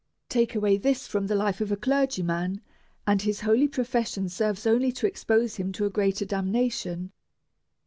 Take away this from the life of a clergyman, and his holy profession serves only to expose him to a greater damnation.